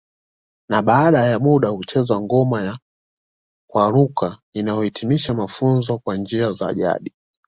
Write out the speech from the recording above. Na baada ya muda huchezewa ngoma ya kwaluka inayohitimisha mafunzo kwa njia za jadi